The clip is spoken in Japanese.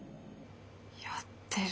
やってる。